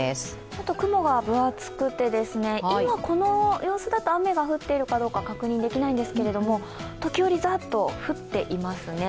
ちょっと雲が分厚くて、今この様子だと雨が降っているかどうか確認できないんですけど、時折、ざーっと降っていますね。